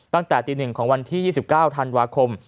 ตั้งแต่ตี๑ของวันที่๒๙ธันวาคม